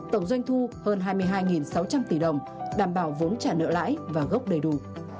tổng doanh thu hơn hai mươi hai sáu trăm linh tỷ đồng đảm bảo vốn trả nợ lãi và gốc đầy đủ